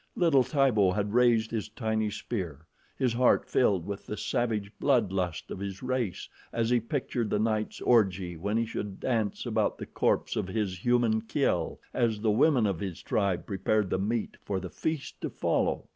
Little Tibo had raised his tiny spear, his heart filled with the savage blood lust of his race, as he pictured the night's orgy when he should dance about the corpse of his human kill as the women of his tribe prepared the meat for the feast to follow.